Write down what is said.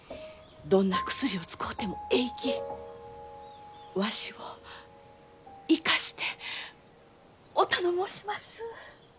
どんな薬を使うてもえいきわしを生かしてお頼申します！